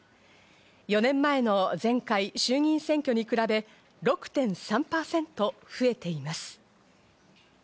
４年前の前回衆議院選挙に比べ、６．３％増えています。